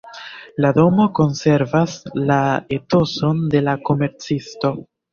La domo konservas la etoson de la komercisto.